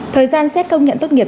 thời gian xét công nhận tốt nghiệp